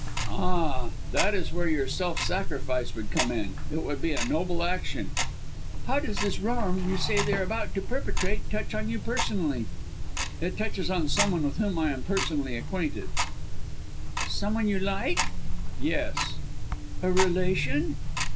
"Ah! that is where your self sacrifice would come in! It would be a noble action." "How does this wrong, you say they are about to perpetrate, touch on you personally?" "It touches on some one with whom I am personally acquainted." "Some one you like?" "Yes!" "A relation?"